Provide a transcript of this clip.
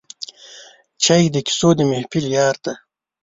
چای د کیسو د محفل یار دی